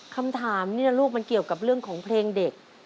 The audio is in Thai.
คำถามนี่นะลูกมันเกี่ยวกับเรื่องของเพลงเด็ก